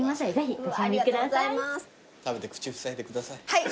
はい。